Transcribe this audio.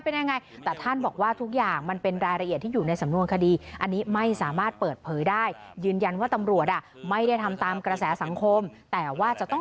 นั่นเองค่ะครับแต่ว่าอ่าคุณผู้ชมฮะส่วนภาพคลิปเหตุการณ์ต่างต่าง